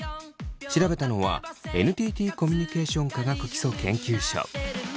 調べたのはＮＴＴコミュニケーション科学基礎研究所。